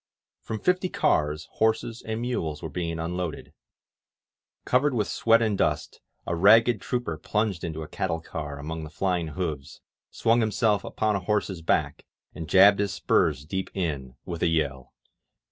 From fifty cars horses and mules were being unloaded. Covered with sweat and dust, a ragged trooper plunged into a cattle car among the flying hoofs, swung himself upon a horse's back, and jabbed his spurs deep in, with 176 INSURGENT MEXICO a yell.